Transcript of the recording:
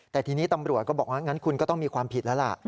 แต่ทีนี้ตำรวจก็บอกว่างั้นคุณก็ต้องมีความผิดแล้วล่ะ